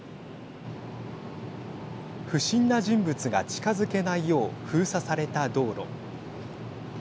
不審な人物が近づけないよう封鎖された道路。